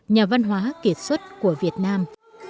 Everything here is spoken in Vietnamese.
nhà văn hóa kỷ suất của việt nam